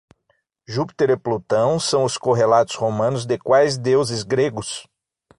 Júpiter e Plutão são os correlatos romanos de quais deuses gregos?